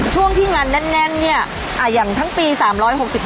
ช่วงที่งานแน่นเนี่ยอย่างทั้งปี๓๖๕